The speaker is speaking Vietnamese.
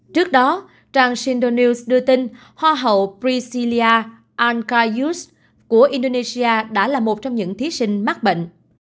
trước đó trang shindonews đưa tin hoa hậu priscilia ankayus của indonesia đã là một trong những thí sinh mắc bệnh